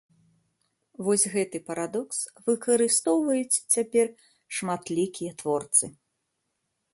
Вось гэты парадокс выкарыстоўваюць цяпер шматлікія творцы.